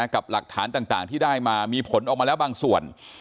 กับหลักฐานต่างที่ได้มามีผลออกมาแล้วบางส่วน